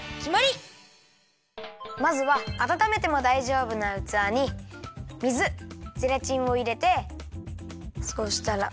まずはあたためてもだいじょうぶなうつわに水ゼラチンをいれてそしたらまぜるよ！